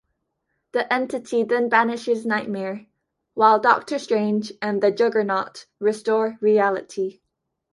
The entity then banishes Nightmare while Doctor Strange and the Juggernaut restore reality.